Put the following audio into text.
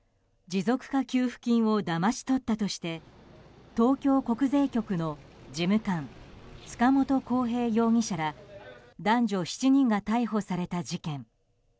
持続化給付金をだまし取ったとして東京国税局の事務官塚本晃平容疑者ら男女７人が逮捕された事件。